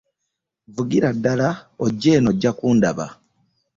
Vugira ddala ojje eno ojja kundaba.